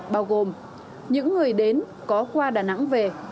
bao gồm những người đến có qua đà nẵng về